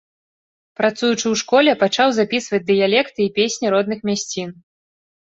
Працуючы ў школе, пачаў запісваць дыялекты і песні родных мясцін.